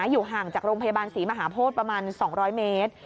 อยู่ห่างจากโรงพยาบาลศรีมหาโพธิประมาณ๒๐๐เมตร